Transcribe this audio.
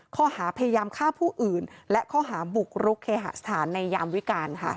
ข้อหาพยายามฆ่าผู้อื่นและข้อหาบุกรุกเคหสถานในยามวิการค่ะ